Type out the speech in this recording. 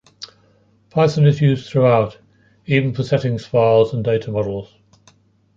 Python is used throughout, even for settings files and data models.